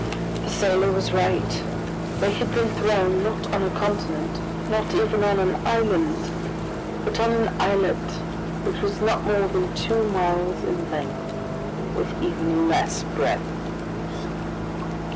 The sailor was right; they had been thrown, not on a continent, not even on an island, but on an islet which was not more than two miles in length, with even a less breadth.